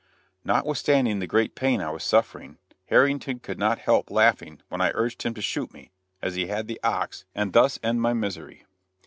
Notwithstanding the great pain I was suffering, Harrington could not help laughing when I urged him to shoot me, as he had the ox, and thus end my misery.